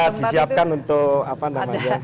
kita disiapkan untuk apa namanya